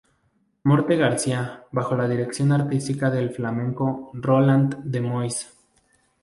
Morte García, bajo la dirección artística del flamenco Roland de Mois.